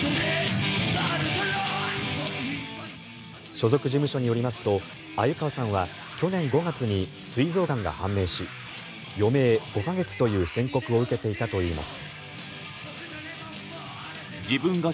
所属事務所によりますと鮎川さんは去年５月にすい臓がんが判明し余命５か月という宣告を受けていたといいます。